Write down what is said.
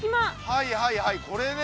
はいはいはいこれね。